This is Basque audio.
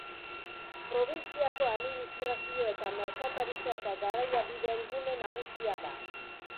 Probintziako administrazio eta merkataritza eta garraiabideen gune nagusia da.